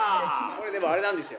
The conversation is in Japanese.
でもあれなんですよ。